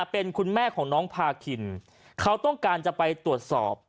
เป็นคุณแม่ของน้องพาคินเขาต้องการจะไปตรวจสอบ